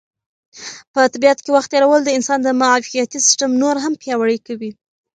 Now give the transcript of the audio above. په طبیعت کې وخت تېرول د انسان د معافیت سیسټم نور هم پیاوړی کوي.